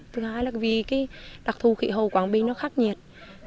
thứ hai là vì đặc thù khị hầu quảng bình nó khắc nhiệt